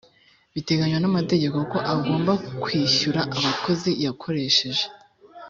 biteganywa na mategeko ko agomba kwishyura abakozi yakoresheje